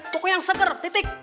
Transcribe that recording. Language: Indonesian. pokoknya yang seger titik